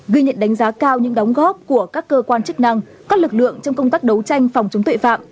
ghi nhận đánh giá cao những đóng góp của các cơ quan chức năng các lực lượng trong công tác đấu tranh phòng chống tội phạm